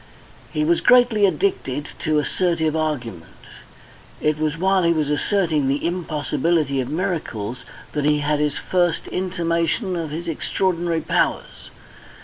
He was greatly addicted to assertive argument. It was while he was asserting the impossibility of miracles that he had his first intimation of his extraordinary powers.